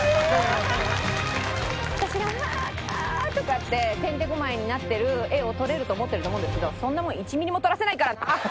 私が「ああ」とかっててんてこまいになってる画を撮れると思ってると思うんですけどそんなもん１ミリも撮らせないからな！